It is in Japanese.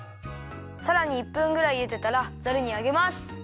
さらに１分ぐらいゆでたらざるにあげます！